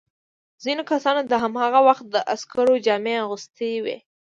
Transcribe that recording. ځینو کسانو د هماغه وخت د عسکرو جامې اغوستي وې.